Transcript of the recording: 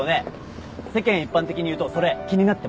世間一般的にいうとそれ気になってます。